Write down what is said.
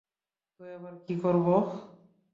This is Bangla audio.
তো, এবার কী করবো?